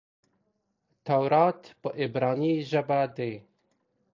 تورات په عبراني ژبه دئ.